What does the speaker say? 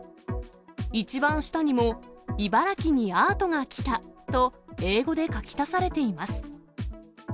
一番下にも、茨城にアートが来たと英語で書き足されています。